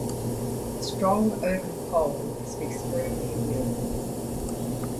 A strong oaken pole is fixed firmly in the earth.